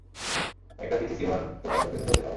একটা পিচ্চি সিউয়ান তোমার চোখে ধুলো দিয়ে পালাল।